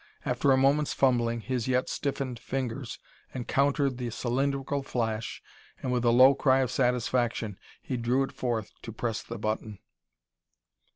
After a moment's fumbling, his yet stiffened fingers encountered the cylindrical flash and, with a low cry of satisfaction, he drew it forth to press the button.